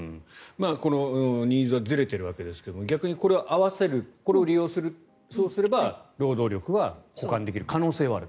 このニーズがずれているわけですが逆にこれを合わせるこれを利用すれば労働力は補完できる可能性はある。